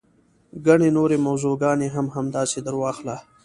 ګڼې نورې موضوع ګانې هم همداسې درواخله.